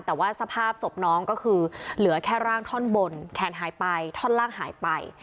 แต่ว่าสภาพศพน้องก็คือเหลือแค่ร่างท่อนบนแขนหายไปท่อนล่างหายไป